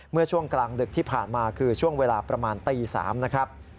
เมื่อช่วงกลางดึกที่ผ่านมาคือช่วงเวลาประมาณตี๓นะครับ